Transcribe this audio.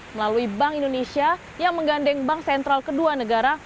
melalui bank indonesia yang menggandeng bank sentral kedua negara